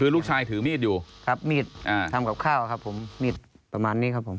คือลูกชายถือมีดอยู่ครับมีดอ่าทำกับข้าวครับผมมีดประมาณนี้ครับผม